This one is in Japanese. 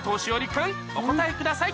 君お答えください